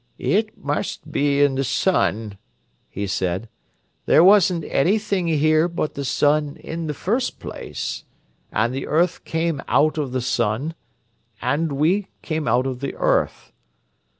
"It must be in the sun," he said. "There wasn't anything here but the sun in the first place, and the earth came out of the sun, and we came out of the earth.